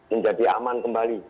menjadi aman kembali